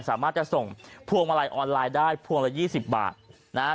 สามารถจะส่งพวงมาลัยออนไลน์ได้พวงละยี่สิบบาทนะฮะ